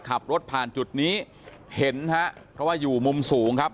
ขับรถผ่านจุดนี้เห็นฮะเพราะว่าอยู่มุมสูงครับ